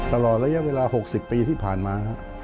ตลอดระยะเวลา๖๐ปีที่ผ่านมา